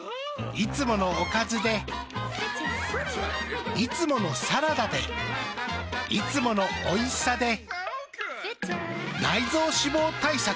いつものおかずでいつものサラダでいつものおいしさで内臓脂肪対策。